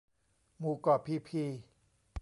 หมู่เกาะพีพี